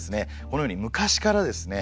このように昔からですね